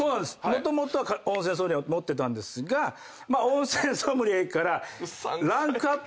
もともと温泉ソムリエ持ってたんですが温泉ソムリエから。